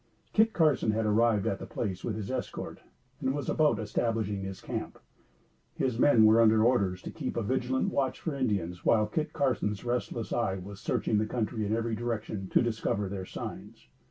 Kit Carson had arrived at the place with his escort, and was about establishing his camp. His men were under orders to keep a vigilant watch for Indians, while Kit Carson's restless eye was searching the country in every direction to discover their signs.